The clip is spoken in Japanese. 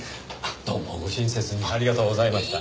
どうもご親切にありがとうございました。